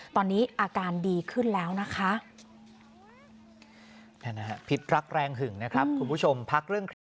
ตอนนี้อาการดีขึ้นแล้วนะคะพิธรักแรงหึ่งนะครับคุณผู้ชมพักเรื่อง